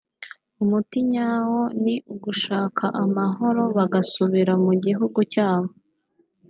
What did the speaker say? umuti nyawo ni ugushaka amahoro bagasubira mu gihugu cyabo